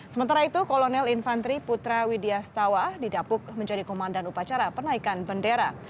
sementara itu kolonel infantri putra widya setawa didapuk menjadi komandan upacara penaikan bendera